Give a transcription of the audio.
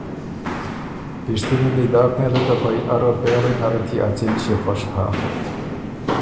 پِشتِنه ن دی داک نیله که پئ اره پېغلئ نرت يې ا څېن ݭيې خوش هۀ۔